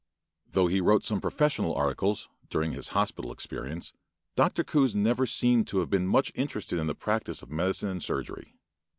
Though he wrote some professional articles, during his hospital experience, Dr. Coues seems never to have been much interested in the practice of medicine and surgery.